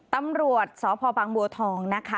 ตำรวจสพบังบัวทองนะคะ